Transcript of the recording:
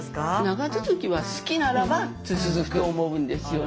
長続きは好きならば続くと思うんですよね。